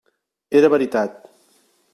Era veritat.